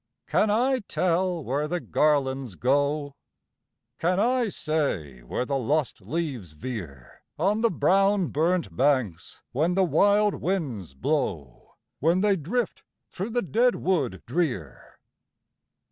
can I tell where the garlands go? Can I say where the lost leaves veer On the brown burnt banks, when the wild winds blow, When they drift through the dead wood drear?